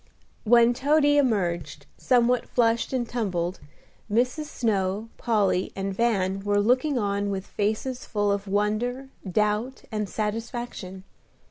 When Toady emerged, somewhat flushed and tumbled, Mrs. Snow, Polly, and Van were looking on with faces full of wonder, doubt, and satisfaction.